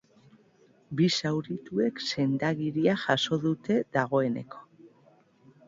Bi zaurituek sendagiria jaso dute dagoeneko.